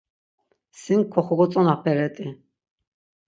Sin koxogotzonaperet̆i.